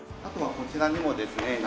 あとはこちらにもですね